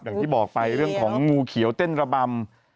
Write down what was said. อย่างที่บอกไปเรื่องของงูเขียวเต้นระบำ